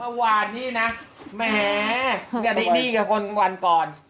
เมื่อวานนี้นะแหมอันนี้นี่กับคนวันก่อน